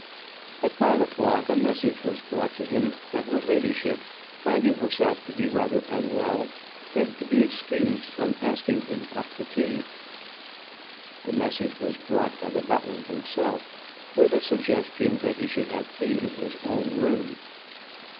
At five o'clock a message was brought to him that her ladyship, finding herself to be rather unwell, begged to be excused from asking him up to tea. The message was brought by the butler himself, with a suggestion that he should have tea in his own room.